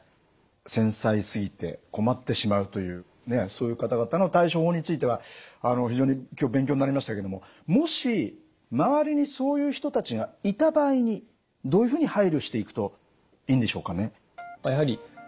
繊細すぎて困ってしまうというそういう方々の対処法については非常に今日勉強になりましたけどももし周りにそういう人たちがいた場合にどういうふうに配慮していくといいんでしょうかね？